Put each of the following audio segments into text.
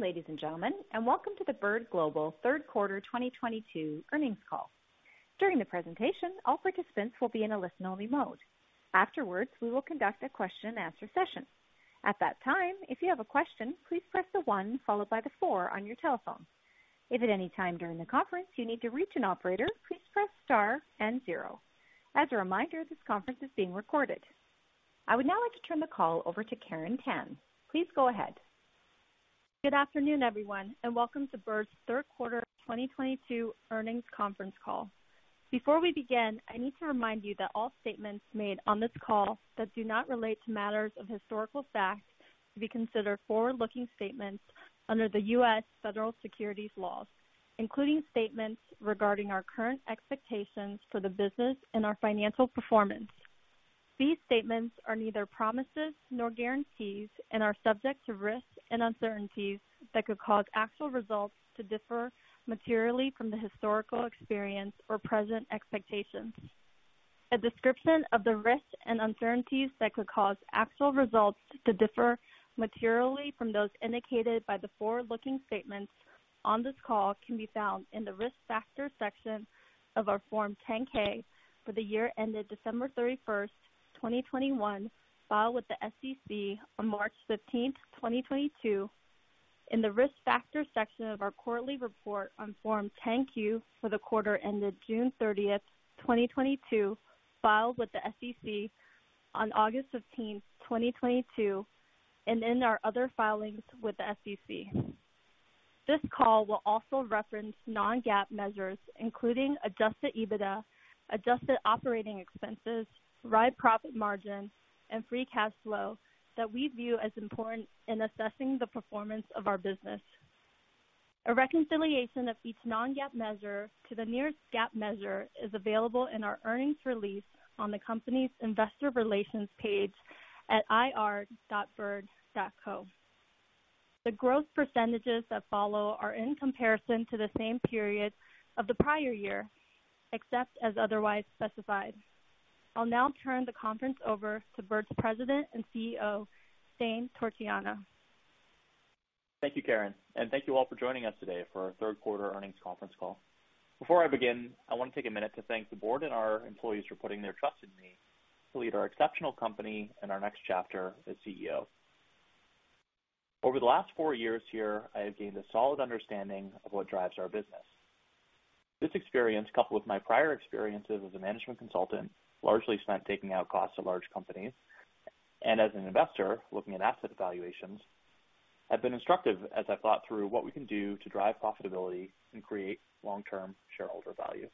Good afternoon, ladies and gentlemen, and welcome to the Bird Global Third Quarter 2022 Earnings Call. During the presentation, all participants will be in a listen-only mode. Afterwards, we will conduct a question and answer session. At that time, if you have a question, please press one followed by four on your telephone. If at any time during the conference you need to reach an operator, please press star and zero. As a reminder, this conference is being recorded. I would now like to turn the call over to Karen Tan. Please go ahead. Good afternoon, everyone, and welcome to Bird's third quarter 2022 earnings conference call. Before we begin, I need to remind you that all statements made on this call that do not relate to matters of historical facts to be considered forward-looking statements under the U.S. federal securities laws, including statements regarding our current expectations for the business and our financial performance. These statements are neither promises nor guarantees and are subject to risks and uncertainties that could cause actual results to differ materially from the historical experience or present expectations. A description of the risks and uncertainties that could cause actual results to differ materially from those indicated by the forward-looking statements on this call can be found in the Risk Factors section of our Form 10-K for the year ended December 31, 2021, filed with the SEC on March 15, 2022, in the Risk Factors section of our quarterly report on Form 10-Q for the quarter ended June 30, 2022, filed with the SEC on August 15, 2022, and in our other filings with the SEC. This call will also reference non-GAAP measures, including Adjusted EBITDA, Adjusted Operating Expenses, Ride Profit Margin, and Free Cash Flow that we view as important in assessing the performance of our business. A reconciliation of each non-GAAP measure to the nearest GAAP measure is available in our earnings release on the company's investor relations page at ir.bird.co. The growth percentages that follow are in comparison to the same period of the prior year, except as otherwise specified. I'll now turn the conference over to Bird's President and CEO, Shane Torchiana. Thank you, Karen, and thank you all for joining us today for our third quarter earnings conference call. Before I begin, I want to take a minute to thank the board and our employees for putting their trust in me to lead our exceptional company in our next chapter as CEO. Over the last four years here, I have gained a solid understanding of what drives our business. This experience, coupled with my prior experiences as a management consultant, largely spent taking costs out of large companies, and as an investor looking at asset valuations, have been instructive as I thought through what we can do to drive profitability and create long-term shareholder value.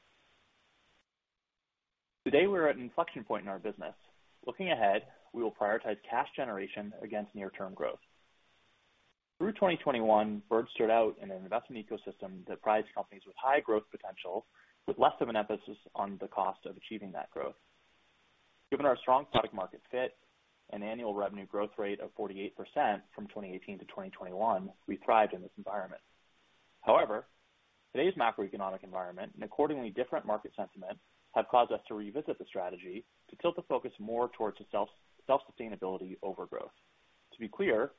Today, we're at an inflection point in our business. Looking ahead, we will prioritize cash generation against near-term growth. Through 2021, Bird stood out in an investment ecosystem that prioritizes companies with high growth potential with less of an emphasis on the cost of achieving that growth. Given our strong product market fit and annual revenue growth rate of 48% from 2018 to 2021, we thrived in this environment. However, today's macroeconomic environment and accordingly different market sentiment have caused us to revisit the strategy to tilt the focus more towards self-sustainability over growth. To be clear,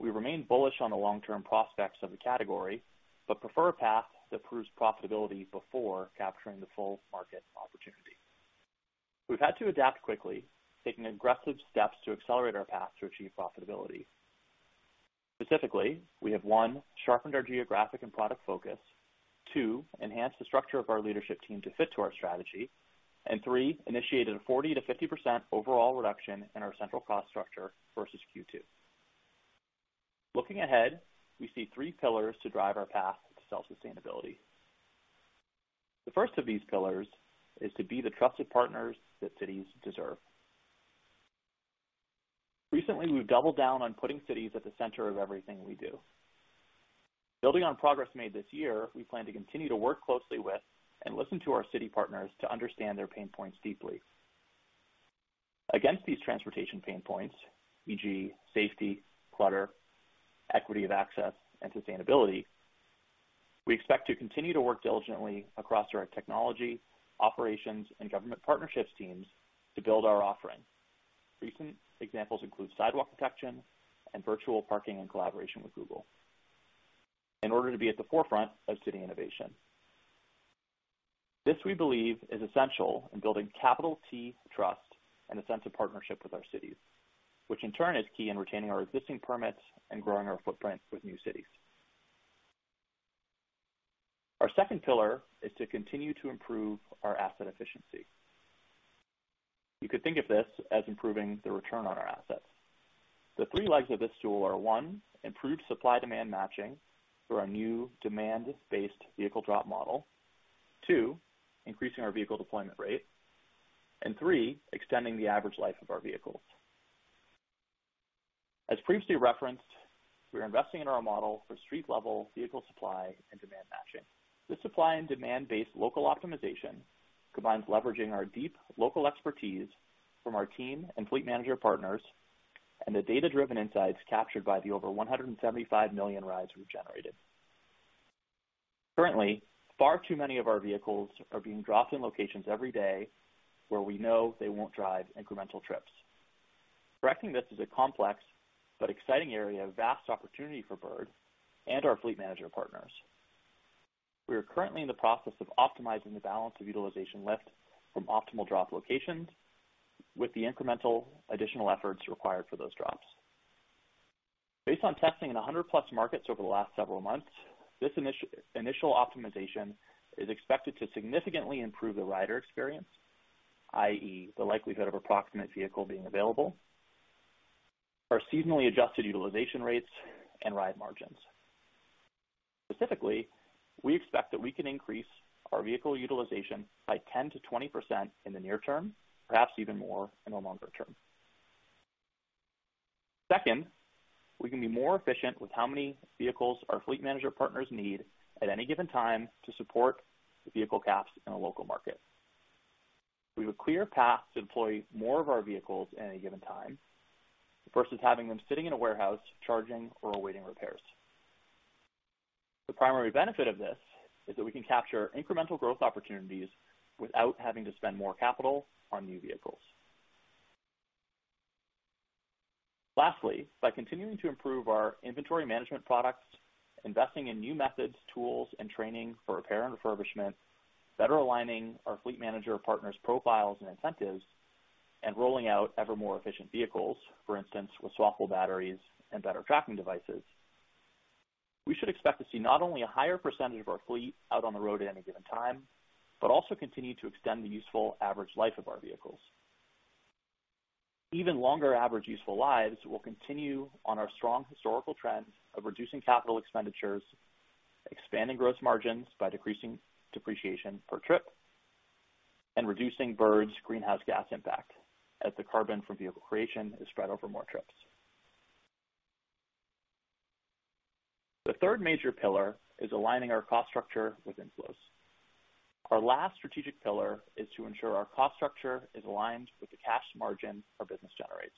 we remain bullish on the long-term prospects of the category, but prefer a path that proves profitability before capturing the full market opportunity. We've had to adapt quickly, taking aggressive steps to accelerate our path to achieve profitability. Specifically, we have, one, sharpened our geographic and product focus, two, enhanced the structure of our leadership team to fit to our strategy, and three, initiated a 40%-50% overall reduction in our central cost structure versus Q2. Looking ahead, we see three pillars to drive our path to self-sustainability. The first of these pillars is to be the trusted partners that cities deserve. Recently, we've doubled down on putting cities at the center of everything we do. Building on progress made this year, we plan to continue to work closely with and listen to our city partners to understand their pain points deeply. Against these transportation pain points, e.g., safety, clutter, equity of access, and sustainability, we expect to continue to work diligently across our technology, operations, and government partnerships teams to build our offering. Recent examples include sidewalk detection and virtual parking in collaboration with Google in order to be at the forefront of city innovation. This, we believe, is essential in building capital T trust and a sense of partnership with our cities, which in turn is key in retaining our existing permits and growing our footprint with new cities. Our second pillar is to continue to improve our asset efficiency. You could think of this as improving the return on our assets. The three legs of this stool are, one, improved supply-demand matching through our new demand-based vehicle drop model. Two, increasing our vehicle deployment rate. And three, extending the average life of our vehicles. As previously referenced, we are investing in our model for street-level vehicle supply and demand matching. This supply and demand-based local optimization combines leveraging our deep local expertise from our team and fleet manager partners and the data-driven insights captured by the over 175 million rides we've generated. Currently, far too many of our vehicles are being dropped in locations every day where we know they won't drive incremental trips. Correcting this is a complex but exciting area of vast opportunity for Bird and our fleet manager partners. We are currently in the process of optimizing the balance of utilization lift from optimal drop locations with the incremental additional efforts required for those drops. Based on testing in 100+ markets over the last several months, this initial optimization is expected to significantly improve the rider experience, i.e., the likelihood of appropriate vehicle being available, our seasonally adjusted utilization rates and ride margins. Specifically, we expect that we can increase our vehicle utilization by 10%-20% in the near term, perhaps even more in the longer term. Second, we can be more efficient with how many vehicles our fleet manager partners need at any given time to support the vehicle caps in a local market. We have a clear path to deploy more of our vehicles at any given time, versus having them sitting in a warehouse charging or awaiting repairs. The primary benefit of this is that we can capture incremental growth opportunities without having to spend more capital on new vehicles. Lastly, by continuing to improve our inventory management products, investing in new methods, tools, and training for repair and refurbishment, better aligning our fleet manager partners profiles and incentives, and rolling out ever more efficient vehicles, for instance, with swappable batteries and better tracking devices. We should expect to see not only a higher percentage of our fleet out on the road at any given time, but also continue to extend the useful average life of our vehicles. Even longer average useful lives will continue on our strong historical trends of reducing capital expenditures, expanding gross margins by decreasing depreciation per trip, and reducing Bird's greenhouse gas impact as the carbon from vehicle creation is spread over more trips. The third major pillar is aligning our cost structure with inflows. Our last strategic pillar is to ensure our cost structure is aligned with the cash margin our business generates.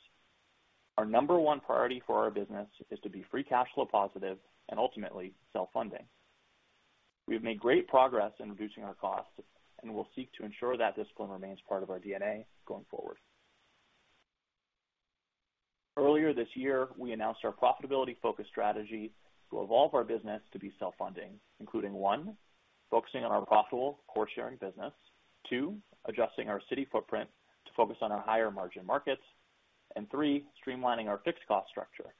Our number one priority for our business is to be free cash flow positive and ultimately self-funding. We have made great progress in reducing our costs, and we'll seek to ensure that discipline remains part of our DNA going forward. Earlier this year, we announced our profitability-focused strategy to evolve our business to be self-funding, including, One, focusing on our profitable core sharing business. Two, adjusting our city footprint to focus on our higher margin markets. Three, streamlining our fixed cost structure.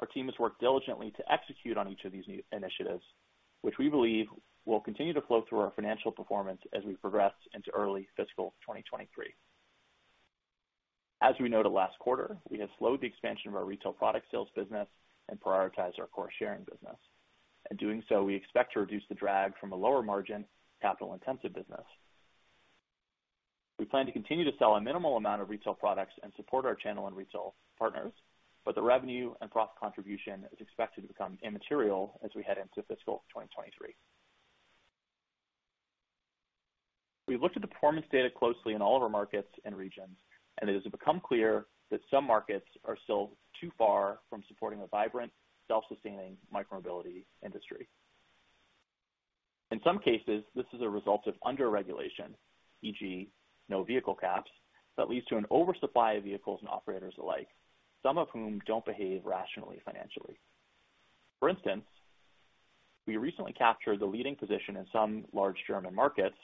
Our team has worked diligently to execute on each of these new initiatives, which we believe will continue to flow through our financial performance as we progress into early fiscal 2023. As we noted last quarter, we have slowed the expansion of our retail product sales business and prioritize our core sharing business. In doing so, we expect to reduce the drag from a lower margin capital-intensive business. We plan to continue to sell a minimal amount of retail products and support our channel and retail partners, but the revenue and profit contribution is expected to become immaterial as we head into fiscal 2023. We've looked at the performance data closely in all of our markets and regions, and it has become clear that some markets are still too far from supporting a vibrant, self-sustaining micromobility industry. In some cases, this is a result of under-regulation, e.g., no vehicle caps, that leads to an oversupply of vehicles and operators alike, some of whom don't behave rationally financially. For instance, we recently captured the leading position in some large German markets,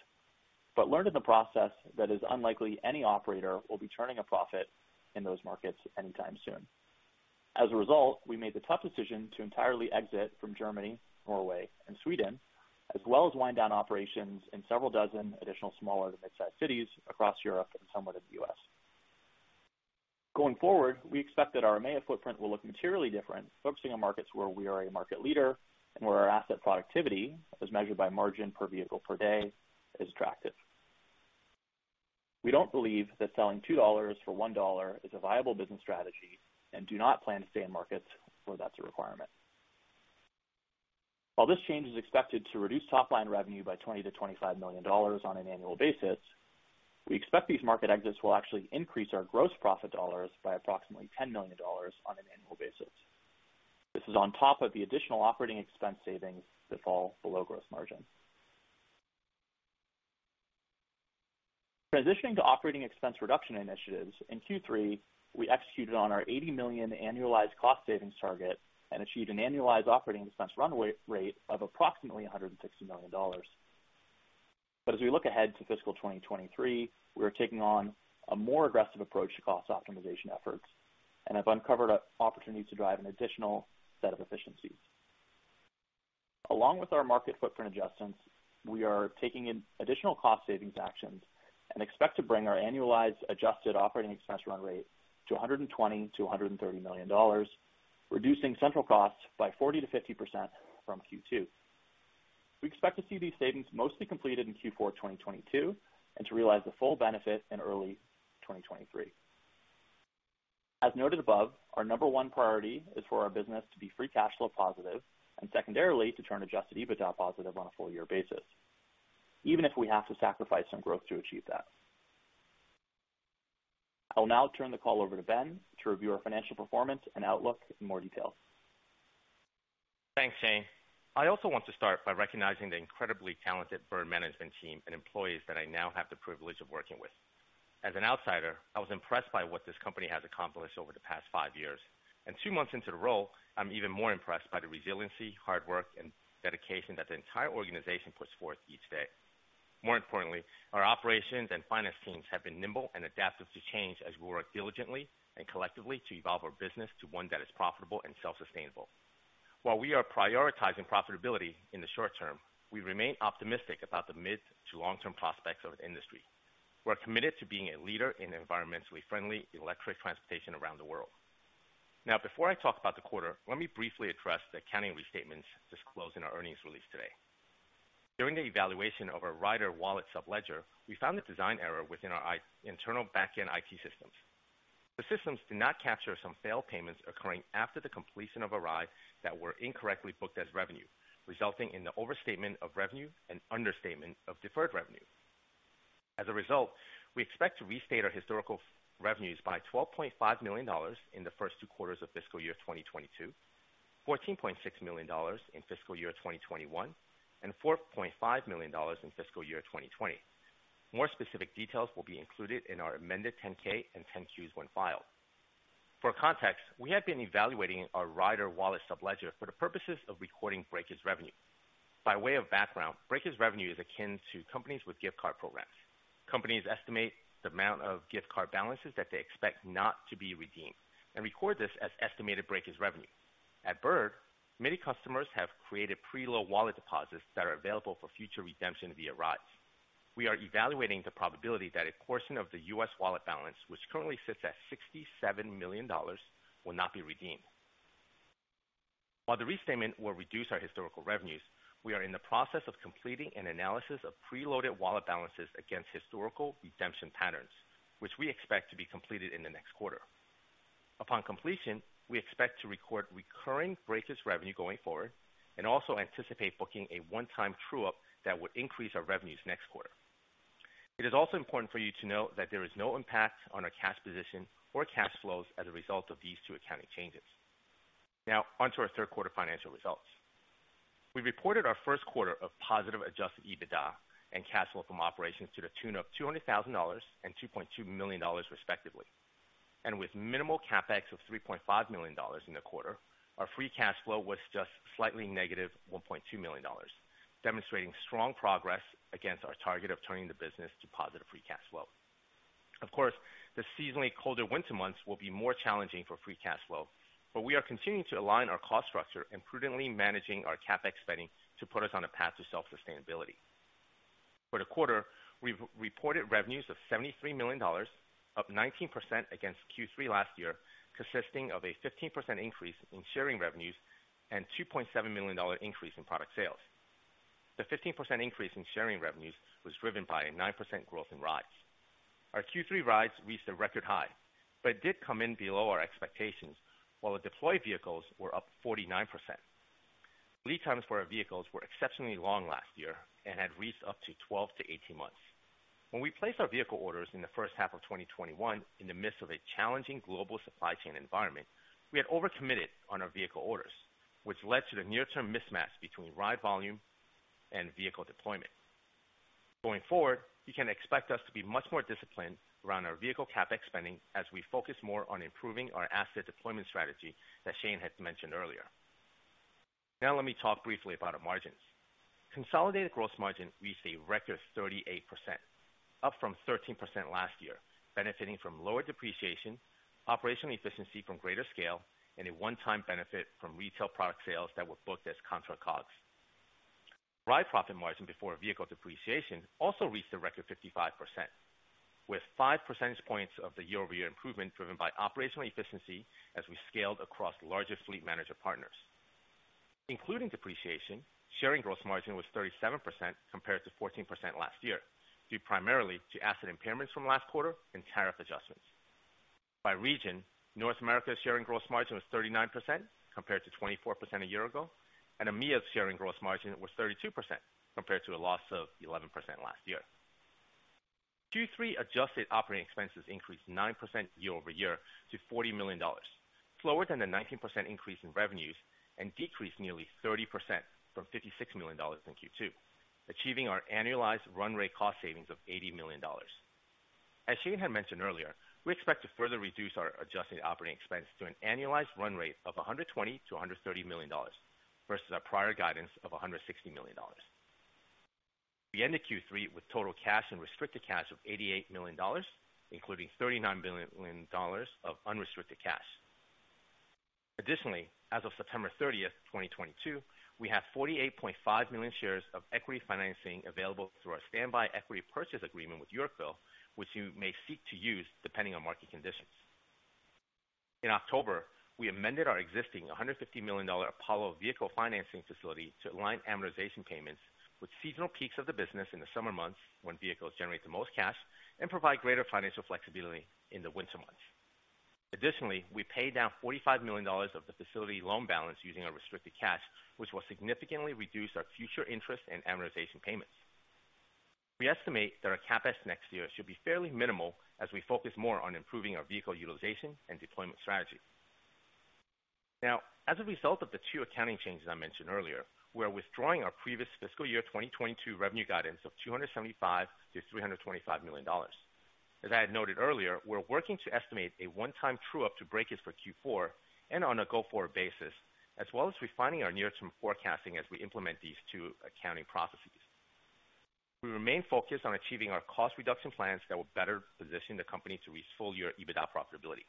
but learned in the process that it's unlikely any operator will be turning a profit in those markets anytime soon. As a result, we made the tough decision to entirely exit from Germany, Norway, and Sweden, as well as wind down operations in several dozen additional smaller to midsize cities across Europe and somewhat in the U.S. Going forward, we expect that our EMEA footprint will look materially different, focusing on markets where we are a market leader and where our asset productivity is measured by margin per vehicle per day is attractive. We don't believe that selling $2 for $1 is a viable business strategy and do not plan to stay in markets where that's a requirement. While this change is expected to reduce top line revenue by $20-$25 million on an annual basis, we expect these market exits will actually increase our gross profit dollars by approximately $10 million on an annual basis. This is on top of the additional operating expense savings that fall below gross margin. Transitioning to operating expense reduction initiatives. In Q3, we executed on our $80 million annualized cost savings target and achieved an annualized operating expense run rate of approximately $160 million. As we look ahead to fiscal 2023, we are taking on a more aggressive approach to cost optimization efforts and have uncovered opportunities to drive an additional set of efficiencies. Along with our market footprint adjustments, we are taking in additional cost savings actions and expect to bring our annualized Adjusted Operating Expenses run rate to $120 million-$130 million, reducing central costs by 40%-50% from Q2. We expect to see these savings mostly completed in Q4 2022, and to realize the full benefit in early 2023. As noted above, our number one priority is for our business to be free cash flow positive, and secondarily, to turn Adjusted EBITDA positive on a full year basis, even if we have to sacrifice some growth to achieve that. I'll now turn the call over to Ben to review our financial performance and outlook in more detail. Thanks, Shane. I also want to start by recognizing the incredibly talented Bird management team and employees that I now have the privilege of working with. As an outsider, I was impressed by what this company has accomplished over the past five years. Two months into the role, I'm even more impressed by the resiliency, hard work, and dedication that the entire organization puts forth each day. More importantly, our operations and finance teams have been nimble and adaptive to change as we work diligently and collectively to evolve our business to one that is profitable and self-sustainable. While we are prioritizing profitability in the short term, we remain optimistic about the mid to long-term prospects of the industry. We're committed to being a leader in environmentally friendly electric transportation around the world. Now, before I talk about the quarter, let me briefly address the accounting restatements disclosed in our earnings release today. During the evaluation of our rider wallet sub-ledger, we found a design error within our internal backend IT systems. The systems did not capture some failed payments occurring after the completion of a ride that were incorrectly booked as revenue, resulting in the overstatement of revenue and understatement of deferred revenue. As a result, we expect to restate our historical revenues by $12.5 million in the first two quarters of fiscal year 2022, $14.6 million in fiscal year 2021, and $4.5 million in fiscal year 2020. More specific details will be included in our amended 10-K and 10-Qs when filed. For context, we have been evaluating our rider wallet sub-ledger for the purposes of recording breakage revenue. By way of background, breakage revenue is akin to companies with gift card programs. Companies estimate the amount of gift card balances that they expect not to be redeemed and record this as estimated breakage revenue. At Bird, many customers have created pre-load wallet deposits that are available for future redemption via rides. We are evaluating the probability that a portion of the rider wallet balance, which currently sits at $67 million, will not be redeemed. While the restatement will reduce our historical revenues, we are in the process of completing an analysis of preloaded wallet balances against historical redemption patterns, which we expect to be completed in the next quarter. Upon completion, we expect to record recurring breakage revenue going forward and also anticipate booking a one-time true-up that would increase our revenues next quarter. It is also important for you to know that there is no impact on our cash position or cash flows as a result of these two accounting changes. Now on to our third quarter financial results. We reported our first quarter of positive Adjusted EBITDA and cash flow from operations to the tune of $200,000 and $2.2 million respectively. With minimal CapEx of $3.5 million in the quarter, our free cash flow was just slightly negative $1.2 million, demonstrating strong progress against our target of turning the business to positive free cash flow. Of course, the seasonally colder winter months will be more challenging for free cash flow, but we are continuing to align our cost structure and prudently managing our CapEx spending to put us on a path to self-sustainability. For the quarter, we've reported revenues of $73 million, up 19% against Q3 last year, consisting of a 15% increase in sharing revenues and $2.7 million increase in product sales. The 15% increase in sharing revenues was driven by a 9% growth in rides. Our Q3 rides reached a record high, but did come in below our expectations, while the deployed vehicles were up 49%. Lead times for our vehicles were exceptionally long last year and had reached up to 12-18 months. When we placed our vehicle orders in the first half of 2021 in the midst of a challenging global supply chain environment, we had overcommitted on our vehicle orders, which led to the near-term mismatch between ride volume and vehicle deployment. Going forward, you can expect us to be much more disciplined around our vehicle CapEx spending as we focus more on improving our asset deployment strategy that Shane had mentioned earlier. Now let me talk briefly about our margins. Consolidated gross margin reached a record 38%, up from 13% last year, benefiting from lower depreciation, operational efficiency from greater scale, and a one-time benefit from retail product sales that were booked as contra COGS. Ride profit margin before vehicle depreciation also reached a record 55%, with five percentage points of the year-over-year improvement driven by operational efficiency as we scaled across larger fleet manager partners. Including depreciation, sharing gross margin was 37% compared to 14% last year, due primarily to asset impairments from last quarter and tariff adjustments. By region, North America's sharing gross margin was 39% compared to 24% a year ago, and EMEA's sharing gross margin was 32% compared to a loss of 11% last year. Q3 Adjusted Operating Expenses increased 9% year-over-year to $40 million, slower than the 19% increase in revenues and decreased nearly 30% from $56 million in Q2, achieving our annualized run rate cost savings of $80 million. As Shane had mentioned earlier, we expect to further reduce our Adjusted Operating Expenses to an annualized run rate of $120 million-$130 million versus our prior guidance of $160 million. We ended Q3 with total cash and restricted cash of $88 million, including $39 million of unrestricted cash. Additionally, as of September 30, 2022, we have 48.5 million shares of equity financing available through our standby equity purchase agreement with Yorkville, which you may seek to use depending on market conditions. In October, we amended our existing $150 million Apollo vehicle financing facility to align amortization payments with seasonal peaks of the business in the summer months, when vehicles generate the most cash and provide greater financial flexibility in the winter months. Additionally, we paid down $45 million of the facility loan balance using our restricted cash, which will significantly reduce our future interest and amortization payments. We estimate that our CapEx next year should be fairly minimal as we focus more on improving our vehicle utilization and deployment strategy. Now, as a result of the two accounting changes I mentioned earlier, we're withdrawing our previous fiscal year 2022 revenue guidance of $275 million-$325 million. As I had noted earlier, we're working to estimate a one-time true-up to breakage for Q4 and on a go-forward basis, as well as refining our near-term forecasting as we implement these two accounting processes. We remain focused on achieving our cost reduction plans that will better position the company to reach full year EBITDA profitability.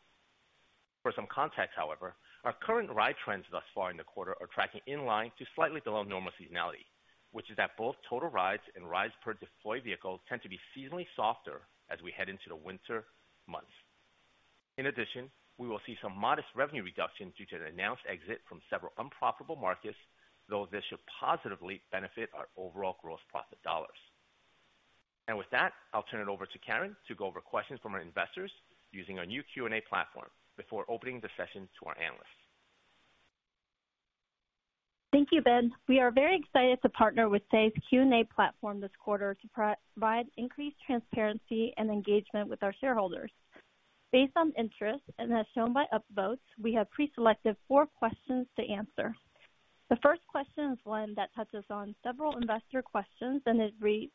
For some context, however, our current ride trends thus far in the quarter are tracking in line to slightly below normal seasonality, which is that both total rides and rides per deployed vehicle tend to be seasonally softer as we head into the winter months. In addition, we will see some modest revenue reduction due to an announced exit from several unprofitable markets, though this should positively benefit our overall gross profit dollars. With that, I'll turn it over to Karen to go over questions from our investors using our new Q&A platform before opening the session to our analysts. Thank you, Ben. We are very excited to partner with Say Q&A platform this quarter to provide increased transparency and engagement with our shareholders. Based on interest, and as shown by upvotes, we have pre-selected four questions to answer. The first question is one that touches on several investor questions, and it reads,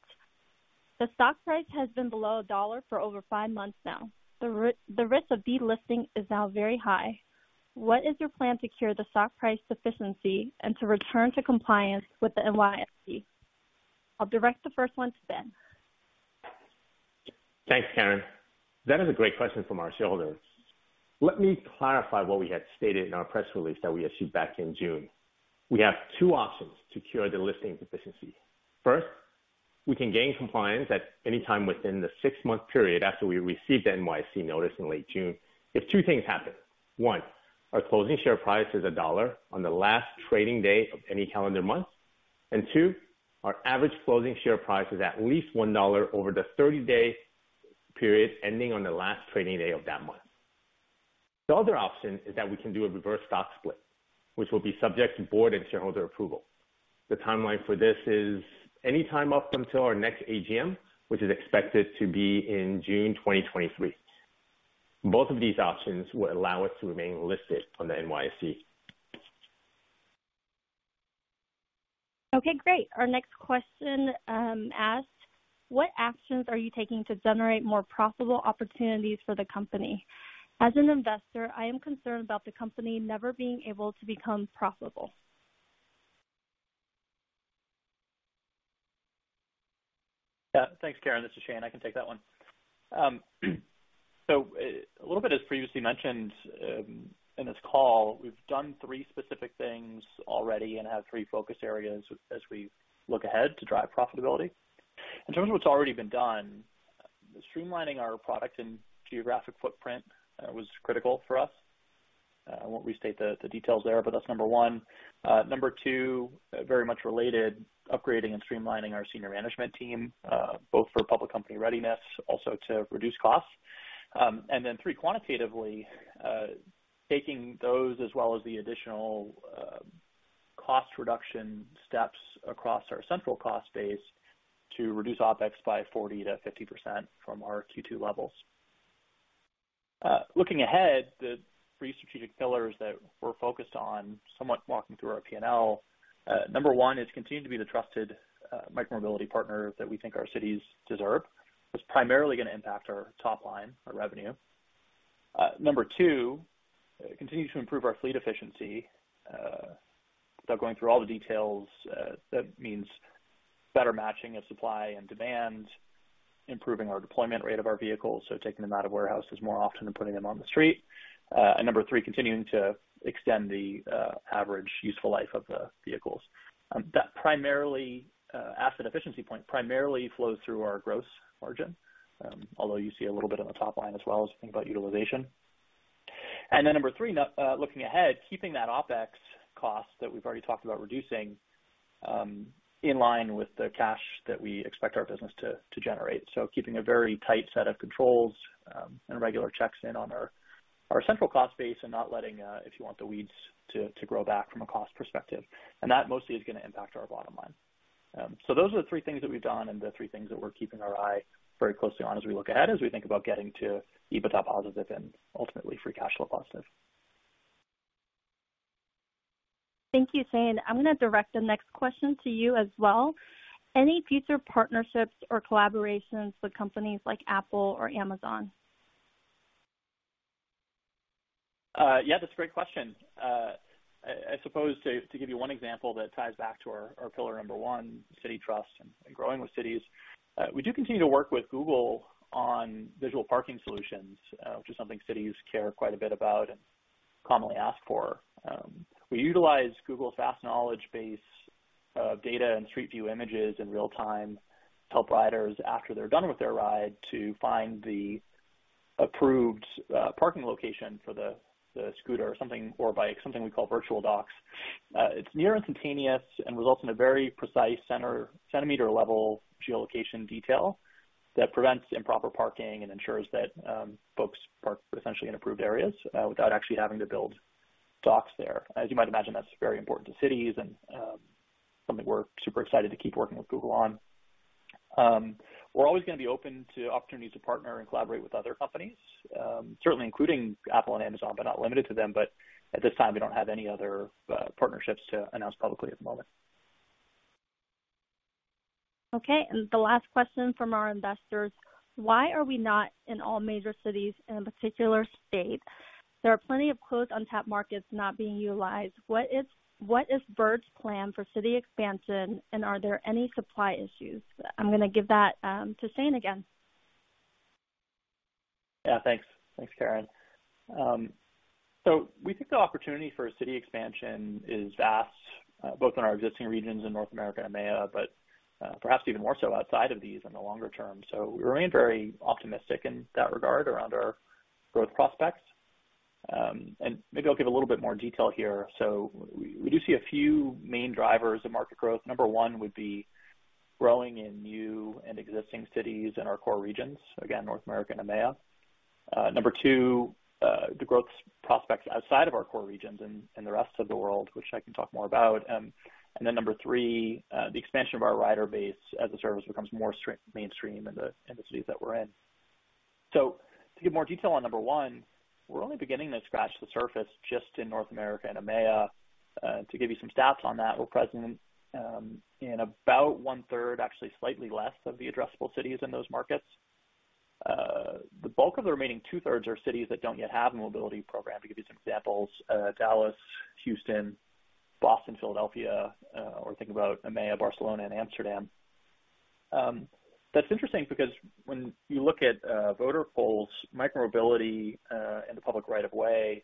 "The stock price has been below $1 for over five months now. The risk of delisting is now very high. What is your plan to cure the stock price sufficiency and to return to compliance with the NYSE?" I'll direct the first one to Ben. Thanks, Karen. That is a great question from our shareholders. Let me clarify what we had stated in our press release that we issued back in June. We have two options to cure the listing deficiency. First, we can gain compliance at any time within the six-month period after we received the NYSE notice in late June if two things happen. One, our closing share price is $1 on the last trading day of any calendar month. And two, our average closing share price is at least $1 over the 30-day period ending on the last trading day of that month. The other option is that we can do a reverse stock split, which will be subject to board and shareholder approval. The timeline for this is any time up until our next AGM, which is expected to be in June 2023. Both of these options will allow us to remain listed on the NYSE. Okay, great. Our next question asks, "What actions are you taking to generate more profitable opportunities for the company? As an investor, I am concerned about the company never being able to become profitable. Yeah. Thanks, Karen. This is Shane. I can take that one. So, a little bit as previously mentioned, in this call, we've done three specific things already and have three focus areas as we look ahead to drive profitability. In terms of what's already been done, streamlining our product and geographic footprint was critical for us. I won't restate the details there, but that's number one. Number two, very much related, upgrading and streamlining our senior management team, both for public company readiness, also to reduce costs. And then three, quantitatively, taking those as well as the additional cost reduction steps across our central cost base to reduce OPEX by 40%-50% from our Q2 levels. Looking ahead, the three strategic pillars that we're focused on, somewhat walking through our P&L, number one is continue to be the trusted micromobility partner that we think our cities deserve. It's primarily gonna impact our top line, our revenue. Number two, continue to improve our fleet efficiency. Without going through all the details, that means better matching of supply and demand, improving our deployment rate of our vehicles, so taking them out of warehouses more often and putting them on the street. And number three, continuing to extend the average useful life of the vehicles. That primarily, asset efficiency point primarily flows through our gross margin, although you see a little bit on the top line as well as think about utilization. Number three, looking ahead, keeping that OpEx cost that we've already talked about reducing in line with the cash that we expect our business to generate. Keeping a very tight set of controls and regular checks in on our central cost base and not letting, if you want, the weeds to grow back from a cost perspective. That mostly is gonna impact our bottom line. Those are the three things that we've done and the three things that we're keeping our eye very closely on as we look ahead, as we think about getting to EBITDA positive and ultimately free cash flow positive. Thank you, Shane. I'm gonna direct the next question to you as well. Any future partnerships or collaborations with companies like Apple or Amazon? Yeah, that's a great question. I suppose to give you one example that ties back to our pillar number one, city trust and growing with cities. We do continue to work with Google on digital parking solutions, which is something cities care quite a bit about and commonly ask for. We utilize Google's vast knowledge base of data and Street View images in real time to help riders after they're done with their ride to find the approved parking location for the scooter or bike, something we call virtual docks. It's near instantaneous and results in a very precise center-centimeter-level geolocation detail that prevents improper parking and ensures that folks park essentially in approved areas without actually having to build docks there. As you might imagine, that's very important to cities and, something we're super excited to keep working with Google on. We're always gonna be open to opportunities to partner and collaborate with other companies, certainly including Apple and Amazon, but not limited to them. At this time, we don't have any other, partnerships to announce publicly at the moment. Okay. The last question from our investors: Why are we not in all major cities in a particular state? There are plenty of closed untapped markets not being utilized. What is Bird's plan for city expansion, and are there any supply issues? I'm gonna give that to Shane Torchiana again. Yeah, thanks. Thanks, Karen. We think the opportunity for city expansion is vast, both in our existing regions in North America and EMEA, perhaps even more so outside of these in the longer term. We remain very optimistic in that regard around our growth prospects. Maybe I'll give a little bit more detail here. We do see a few main drivers of market growth. Number one would be growing in new and existing cities in our core regions, again, North America and EMEA. Number two, the growth prospects outside of our core regions in the rest of the world, which I can talk more about. Number three, the expansion of our rider base as the service becomes more mainstream in the cities that we're in. To give more detail on number one, we're only beginning to scratch the surface just in North America and EMEA. To give you some stats on that, we're present, actually slightly less, of the addressable cities in those markets. The bulk of the remaining 2/3 are cities that don't yet have a mobility program. To give you some examples, Dallas, Houston, Boston, Philadelphia, or think about EMEA, Barcelona and Amsterdam. That's interesting because when you look at voter polls, micromobility in the public right of way,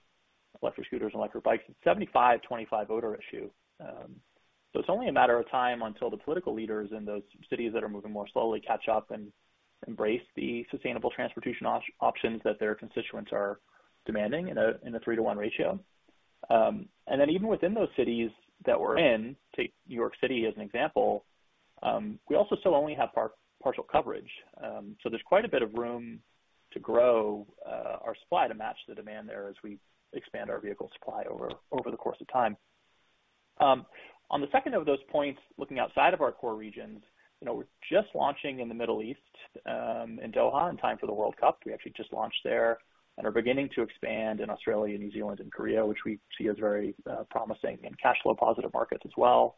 electric scooters and electric bikes, it's 75/25 voter issue. It's only a matter of time until the political leaders in those cities that are moving more slowly catch up and embrace the sustainable transportation options that their constituents are demanding in a 3-to-1 ratio. Even within those cities that we're in, take New York City as an example, we also still only have partial coverage. There's quite a bit of room to grow our supply to match the demand there as we expand our vehicle supply over the course of time. On the second of those points, looking outside of our core regions, you know, we're just launching in the Middle East in Doha, in time for the World Cup. We actually just launched there and are beginning to expand in Australia and New Zealand and Korea, which we see as very promising and cash flow positive markets as well.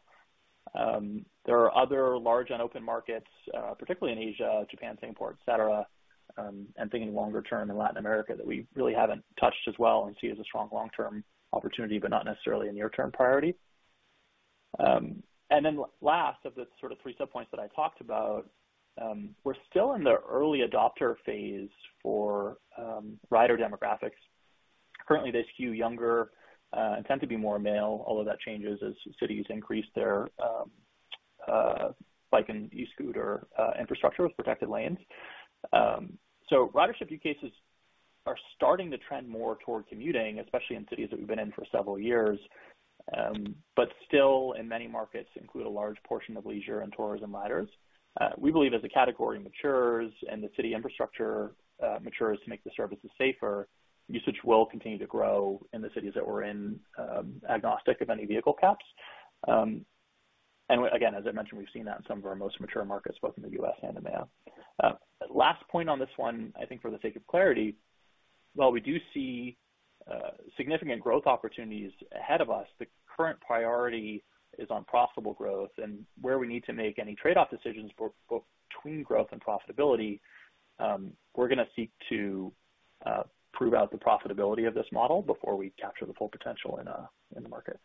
There are other large and open markets, particularly in Asia, Japan, Singapore, et cetera, and thinking longer term in Latin America, that we really haven't touched as well and see as a strong long-term opportunity, but not necessarily a near-term priority. Last of the sort of three sub-points that I talked about, we're still in the early adopter phase for rider demographics. Currently, they skew younger, and tend to be more male, although that changes as cities increase their bike and e-scooter infrastructure with protected lanes. Ridership use cases are starting to trend more toward commuting, especially in cities that we've been in for several years, but still, in many markets, include a large portion of leisure and tourism riders. We believe as the category matures and the city infrastructure matures to make the services safer, usage will continue to grow in the cities that we're in, agnostic of any vehicle caps. Again, as I mentioned, we've seen that in some of our most mature markets, both in the U.S. and EMEA. Last point on this one, I think for the sake of clarity, while we do see significant growth opportunities ahead of us, the current priority is on profitable growth and where we need to make any trade-off decisions between growth and profitability, we're gonna seek to prove out the profitability of this model before we capture the full potential in the market.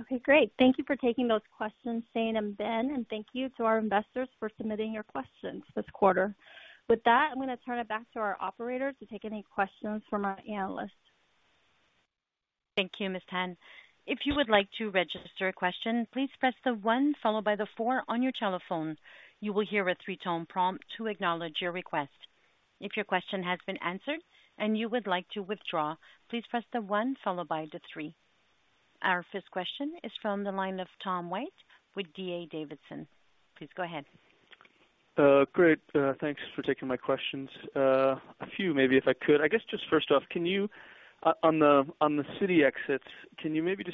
Okay, great. Thank you for taking those questions, Shane Torchiana and Ben Lu, and thank you to our investors for submitting your questions this quarter. With that, I'm gonna turn it back to our operator to take any questions from our analysts. Thank you, Ms. Tan. If you would like to register a question, please press the one followed by the four on your telephone. You will hear a six-tone prompt to acknowledge your request. If your question has been answered and you would like to withdraw, please press the one followed by the three. Our first question is from the line of Tom White with D.A. Davidson. Please go ahead. Great. Thanks for taking my questions. A few, maybe, if I could. I guess just first off, can you, on the city exits,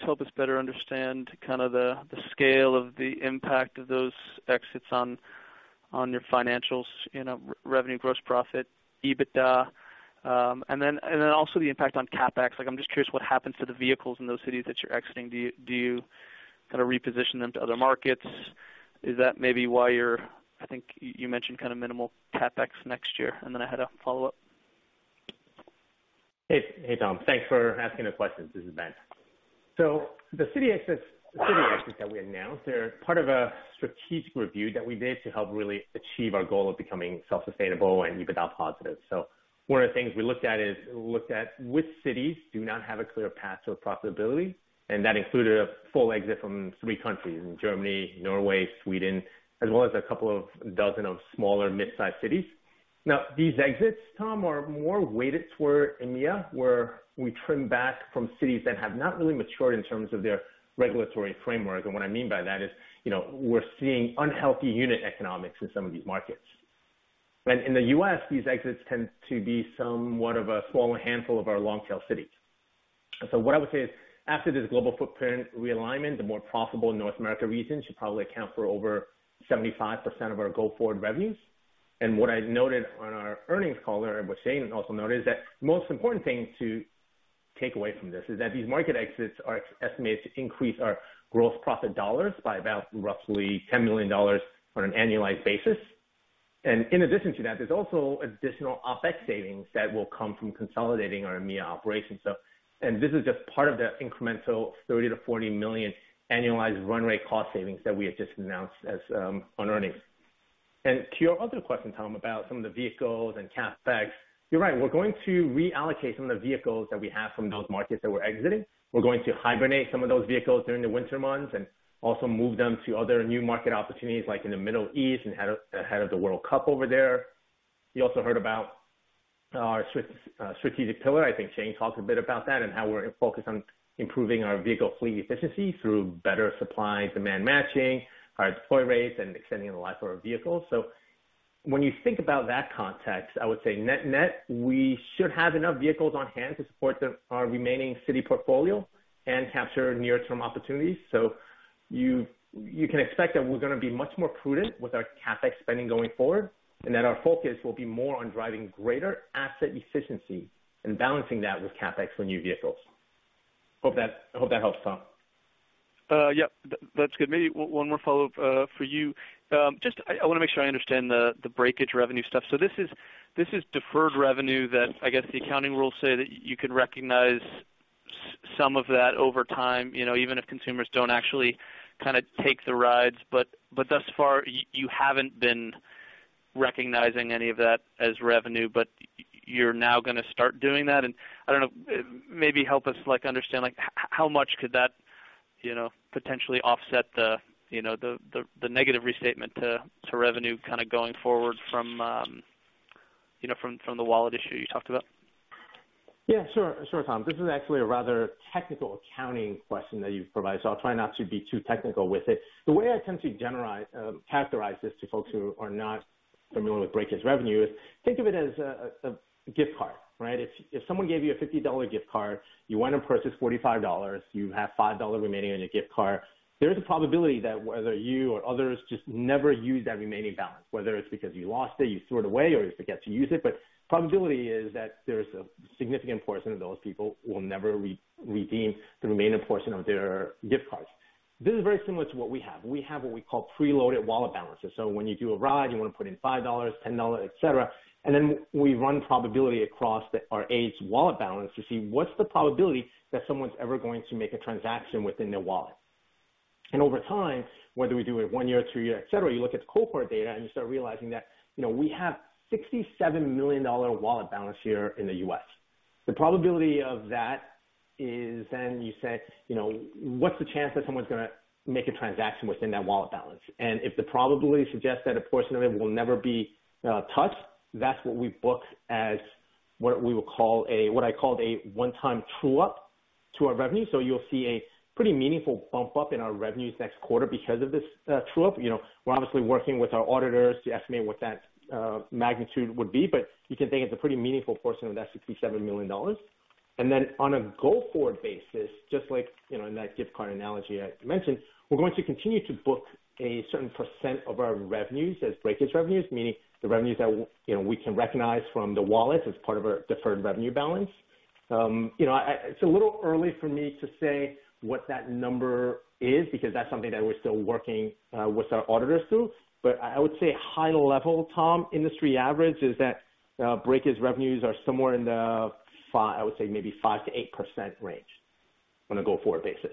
help us better understand the scale of the impact of those exits on your financials, you know, revenue, gross profit, EBITDA? And then also the impact on CapEx. Like, I'm just curious what happens to the vehicles in those cities that you're exiting. Do you kind of reposition them to other markets? Is that maybe why you're, I think, you mentioned kind of minimal CapEx next year? Then I had a follow-up. Hey. Hey, Tom. Thanks for asking the questions. This is Ben. The city exits that we announced, they're part of a strategic review that we did to help really achieve our goal of becoming self-sustainable and EBITDA positive. One of the things we looked at is which cities do not have a clear path to profitability, and that included a full exit from three countries, Germany, Norway, Sweden, as well as a couple of dozen of smaller mid-sized cities. These exits, Tom, are more weighted toward EMEA, where we trim back from cities that have not really matured in terms of their regulatory framework. What I mean by that is, you know, we're seeing unhealthy unit economics in some of these markets. In the U.S., these exits tend to be somewhat of a small handful of our long-tail cities. What I would say is, after this global footprint realignment, the more profitable North America region should probably account for over 75% of our go-forward revenues. What I noted on our earnings call, and what Shane also noted, is that the most important thing to take away from this is that these market exits are estimated to increase our gross profit dollars by about roughly $10 million on an annualized basis. In addition to that, there's also additional OpEx savings that will come from consolidating our EMEA operations. This is just part of the incremental $30 million-$40 million annualized run rate cost savings that we have just announced as on earnings. To your other question, Tom, about some of the vehicles and CapEx, you're right. We're going to reallocate some of the vehicles that we have from those markets that we're exiting. We're going to hibernate some of those vehicles during the winter months and also move them to other new market opportunities, like in the Middle East and ahead of the World Cup over there. You also heard about our strategic pillar. I think Shane talked a bit about that and how we're focused on improving our vehicle fleet efficiency through better supply-demand matching, higher deploy rates, and extending the life of our vehicles. When you think about that context, I would say net-net, we should have enough vehicles on hand to support our remaining city portfolio and capture near-term opportunities. You can expect that we're gonna be much more prudent with our CapEx spending going forward, and that our focus will be more on driving greater asset efficiency and balancing that with CapEx for new vehicles. Hope that helps, Tom. Yeah, that's good. Maybe one more follow-up for you. Just I wanna make sure I understand the breakage revenue stuff. This is deferred revenue that I guess the accounting rules say that you can recognize some of that over time, you know, even if consumers don't actually kinda take the rides. But thus far, you haven't been recognizing any of that as revenue, but you're now gonna start doing that. I don't know, maybe help us, like, understand, like, how much could that, you know, potentially offset the, you know, the negative restatement to revenue kinda going forward from, you know, from the wallet issue you talked about? Sure, sure, Tom. This is actually a rather technical accounting question that you've provided, so I'll try not to be too technical with it. The way I tend to characterize this to folks who are not familiar with breakage revenue is think of it as a gift card, right? If someone gave you a $50 gift card, you went and purchased $45, you have $5 remaining on your gift card. There is a probability that whether you or others just never use that remaining balance, whether it's because you lost it, you threw it away, or you forget to use it. Probability is that there's a significant portion of those people will never redeem the remaining portion of their gift cards. This is very similar to what we have. We have what we call preloaded wallet balances. When you do a ride, you wanna put in $5, $10, et cetera. Then we run probability across our rider wallet balance to see what's the probability that someone's ever going to make a transaction within their wallet. Over time, whether we do it one year or two year, et cetera, you look at the cohort data and you start realizing that, you know, we have $67 million wallet balance here in the U.S. The probability of that is then you say, you know, what's the chance that someone's gonna make a transaction within that wallet balance? If the probability suggests that a portion of it will never be touched, that's what we book as what we would call what I called a one-time true up to our revenue. You'll see a pretty meaningful bump up in our revenues next quarter because of this true up. You know, we're obviously working with our auditors to estimate what that magnitude would be, but you can think it's a pretty meaningful portion of that $67 million. Then on a go-forward basis, just like, you know, in that gift card analogy I mentioned, we're going to continue to book a certain percent of our revenues as breakage revenues, meaning the revenues that you know, we can recognize from the wallet as part of our deferred revenue balance. It's a little early for me to say what that number is because that's something that we're still working with our auditors through. I would say high level, Tom, industry average is that breakage revenues are somewhere in the 5%-8% range on a go-forward basis.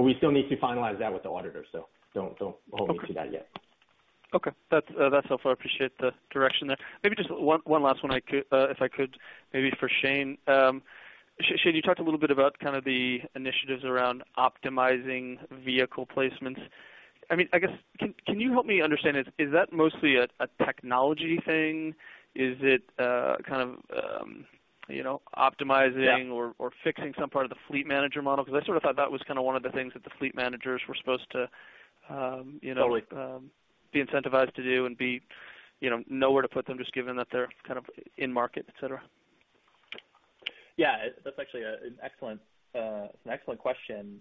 We still need to finalize that with the auditors, so don't hold me to that yet. Okay. That's all. I appreciate the direction there. Maybe just one last one if I could, maybe for Shane. Shane, you talked a little bit about kind of the initiatives around optimizing vehicle placements. I mean, I guess, can you help me understand, is that mostly a technology thing? Is it kind of, you know, optimizing- Yeah. fixing some part of the fleet manager model? Because I sort of thought that was kinda one of the things that the fleet managers were supposed to, you know- Totally. Be incentivized to do and be, you know, where to put them, just given that they're kind of in market, et cetera. Yeah. That's actually an excellent question.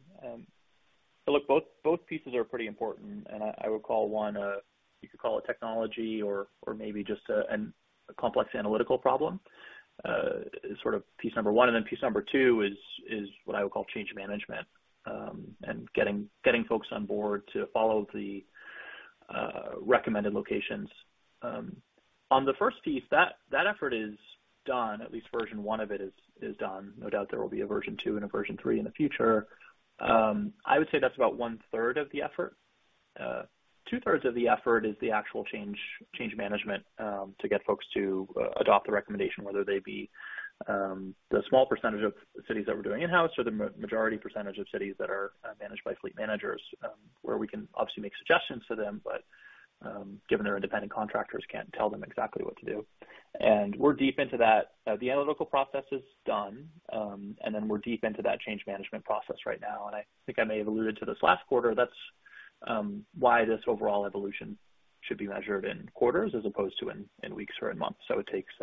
Look, both pieces are pretty important, and I would call one, you could call it technology or maybe just a complex analytical problem is sort of piece number one. Piece number two is what I would call change management, and getting folks on board to follow the recommended locations. On the first piece, that effort is done. At least version one of it is done. No doubt there will be a version two and a version three in the future. I would say that's about 1/3 of the effort. Two-thirds of the effort is the actual change management to get folks to Adopt the recommendation, whether they be the small percentage of cities that we're doing in-house or the majority percentage of cities that are managed by fleet managers, where we can obviously make suggestions to them, but given they're independent contractors, can't tell them exactly what to do. We're deep into that. The analytical process is done, and then we're deep into that change management process right now. I think I may have alluded to this last quarter, that's why this overall evolution should be measured in quarters as opposed to in weeks or in months. It takes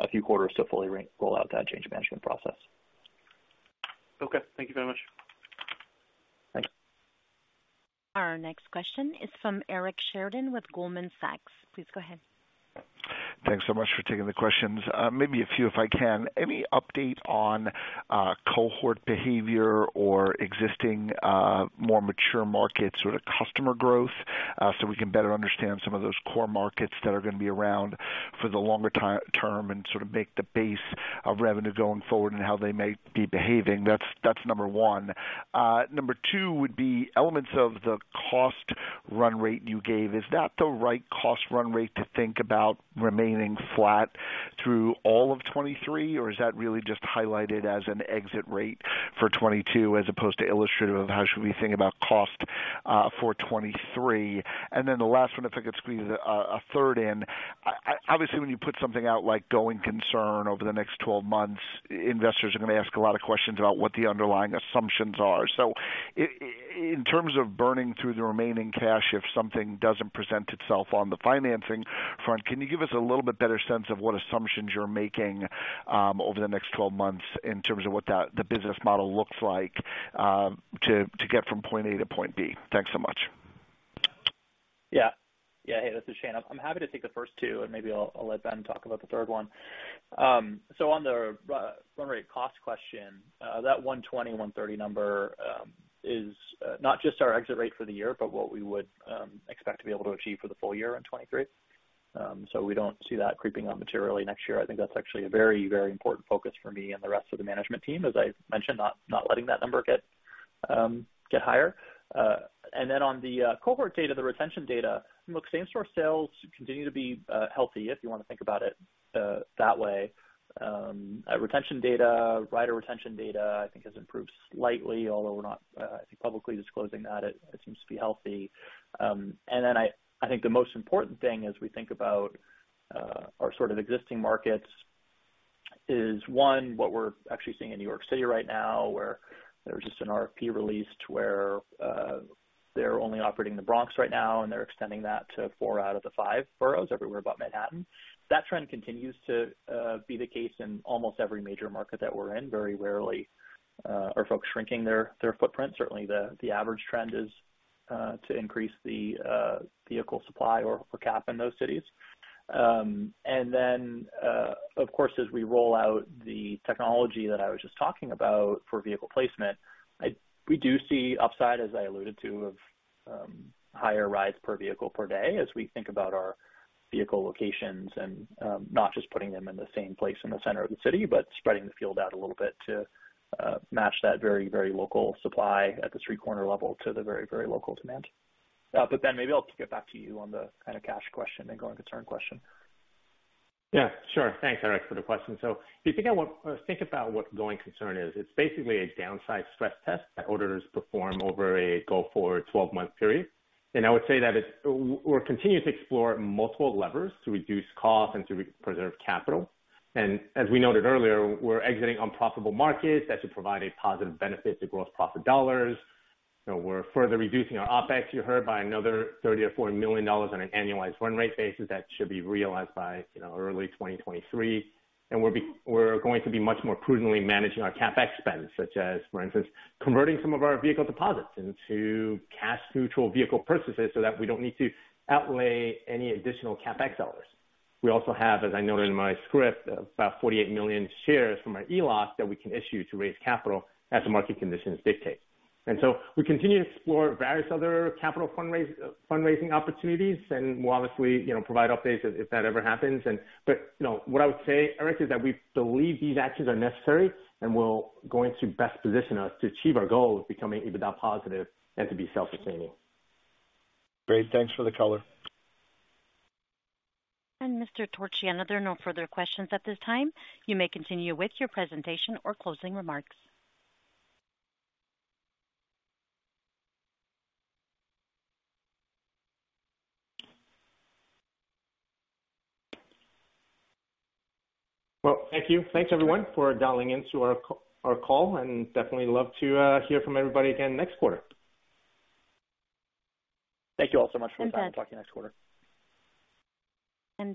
a few quarters to fully roll out that change management process. Okay. Thank you very much. Thanks. Our next question is from Eric Sheridan with Goldman Sachs. Please go ahead. Thanks so much for taking the questions. Maybe a few if I can. Any update on cohort behavior or existing more mature markets or the customer growth so we can better understand some of those core markets that are gonna be around for the longer term and sort of make the base of revenue going forward and how they may be behaving? That's number one. Number two would be elements of the cost run rate you gave. Is that the right cost run rate to think about remaining flat through all of 2023? Or is that really just highlighted as an exit rate for 2022 as opposed to illustrative of how should we think about cost for 2023? And then the last one, if I could squeeze a third in. Obviously, when you put something out like going concern over the next 12 months, investors are gonna ask a lot of questions about what the underlying assumptions are. In terms of burning through the remaining cash, if something doesn't present itself on the financing front, can you give us a little bit better sense of what assumptions you're making over the next 12 months in terms of what that the business model looks like to get from point A to point B? Thanks so much. Hey, this is Shane. I'm happy to take the first two, and maybe I'll let Ben talk about the third one. On the run rate cost question, that $120-$130 number is not just our exit rate for the year, but what we would expect to be able to achieve for the full year in 2023. We don't see that creeping up materially next year. I think that's actually a very, very important focus for me and the rest of the management team, as I mentioned, not letting that number get higher. On the cohort data, the retention data, look, same store sales continue to be healthy, if you wanna think about it, that way. Our retention data, rider retention data, I think has improved slightly. Although we're not, I think, publicly disclosing that it seems to be healthy. I think the most important thing as we think about our sort of existing markets is one, what we're actually seeing in New York City right now, where there was just an RFP released where they're only operating in the Bronx right now, and they're extending that to four out of the five boroughs everywhere but Manhattan. That trend continues to be the case in almost every major market that we're in. Very rarely are folks shrinking their footprint. Certainly the average trend is to increase the vehicle supply or per cap in those cities. Of course, as we roll out the technology that I was just talking about for vehicle placement, we do see upside, as I alluded to, of higher rides per vehicle per day as we think about our vehicle locations and not just putting them in the same place in the center of the city, but spreading the field out a little bit to match that very, very local supply at the street corner level to the very, very local demand. Ben, maybe I'll get back to you on the kinda cash question and going concern question. Yeah, sure. Thanks, Eric, for the question. If you think about what going concern is, it's basically a downside stress test that auditors perform over a go-forward 12-month period. I would say that we're continuing to explore multiple levers to reduce costs and to preserve capital. As we noted earlier, we're exiting unprofitable markets. That should provide a positive benefit to gross profit dollars. You know, we're further reducing our OpEx, you heard, by another $30-$40 million on an annualized run rate basis that should be realized by, you know, early 2023. We're going to be much more prudently managing our CapEx spend, such as, for instance, converting some of our vehicle deposits into cash neutral vehicle purchases so that we don't need to outlay any additional CapEx dollars. We also have, as I noted in my script, about 48 million shares from our ELOC that we can issue to raise capital as the market conditions dictate. We continue to explore various other capital fundraising opportunities, and we'll obviously, you know, provide updates if that ever happens, but, you know, what I would say, Eric, is that we believe these actions are necessary and will go in to best position us to achieve our goal of becoming EBITDA positive and to be self-sustaining. Great. Thanks for the color. Mr. Torchiana, there are no further questions at this time. You may continue with your presentation or closing remarks. Well, thank you. Thanks, everyone, for dialing into our call, and definitely love to hear from everybody again next quarter. Thank you all so much for your time. Talk to you next quarter.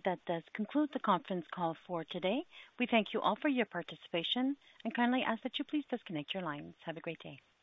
That does conclude the conference call for today. We thank you all for your participation and kindly ask that you please disconnect your lines. Have a great day.